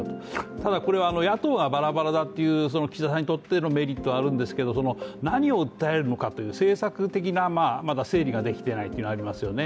ただ、これは野党がバラバラだという岸田さんにとってのメリットはあるんですけど何を訴えるのかという政策的な整理がまだできていないというのはありますよね。